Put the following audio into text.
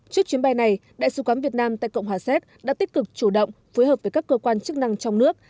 trước chuyến bay này đại sứ quán việt nam tại cộng hòa séc đã tích cực chủ động phối hợp với các cơ quan chức năng trong nước